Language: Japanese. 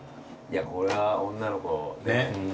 これは女の子ねっ。